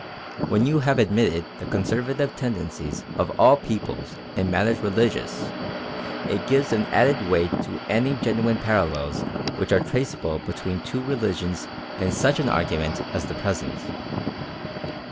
When you have admitted the conservative tendencies of all peoples in matters religious, it gives an added weight to any genuine parallels which are traceable between two religions in such an argument as the present.